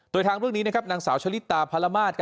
โดยทางเรื่องนี้นะครับนางสาวชลิตตาพารมาศ